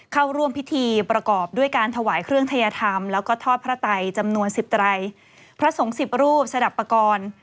เข้าร่วมพิธีประกอบด้วยการถวายเครื่องทัยธรรมแล้วก็ทอดพระไตจำนวนสิบไตรพระสงฆ์สิบรูปสนับปกรณ์